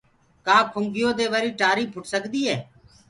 ڪآ کِنگيو دي وري ٽآري ڦوُٽ سڪدي هي۔